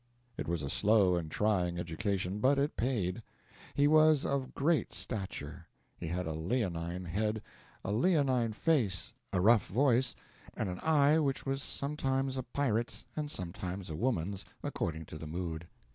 It was a slow and trying education, but it paid. He was of great stature; he had a leonine head, a leonine face, a rough voice, and an eye which was sometimes a pirate's and sometimes a woman's, according to the mood.